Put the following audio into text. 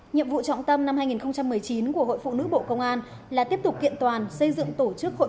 nhiệm vụ trọng tâm năm hai nghìn một mươi chín của hội phụ nữ bộ công an là tiếp tục kiện toàn xây dựng tổ chức hội